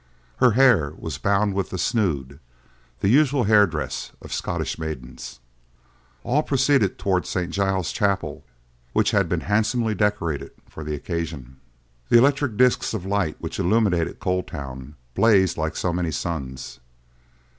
Her hair was bound with the "snood," the usual head dress of Scottish maidens. All proceeded towards St. Giles's chapel, which had been handsomely decorated for the occasion. The electric discs of light which illuminated Coal Town blazed like so many suns.